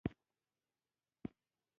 • مینه د زړۀ ارام دی.